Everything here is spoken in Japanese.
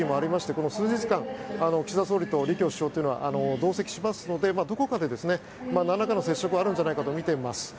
この数日間岸田総理と李強首相というのは同席しますのでどこかでなんらかの接触はあるんじゃないかとみてます。